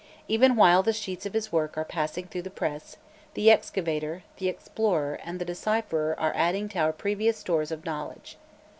Even while the sheets of his work are passing through the press, the excavator, the explorer, and the decipherer are adding to our previous stores of knowledge.